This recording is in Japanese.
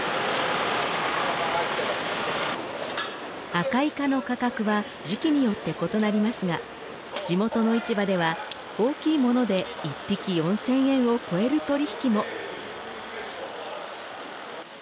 アカイカの価格は時期によって異なりますが地元の市場では大きいもので一匹４０００円を超える取引も。